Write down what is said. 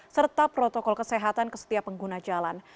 serta protokol kesehatan ke setiap pengguna jalan